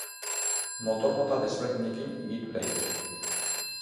Motor mota desberdinekin higitu daiteke.